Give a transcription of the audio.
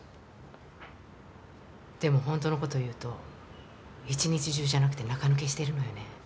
でも本当の事言うと一日中じゃなくて中抜けしてるのよね。